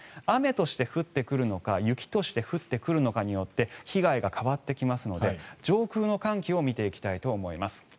雨として降ってくるのか雪として降ってくるのかによって被害が変わってきますので上空の寒気を見ていきたいと思います。